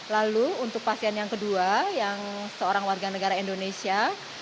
lalu untuk pasien yang kedua yang seorang warga negara indonesia